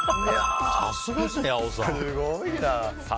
さすがですね、八尾さん。